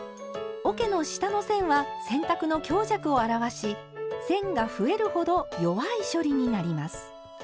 おけの下の線は洗濯の強弱を表し線が増えるほど弱い処理になります。